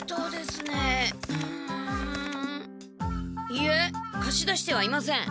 いいえ貸し出してはいません。